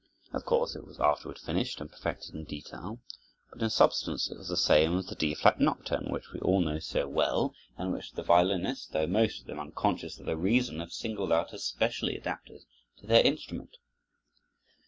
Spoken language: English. Of course, it was afterward finished and perfected in detail, but in substance it was the same as the D flat nocturne which we all know so well and which the violinists, though most of them unconscious of the reason, have singled out as specially adapted to their instrument.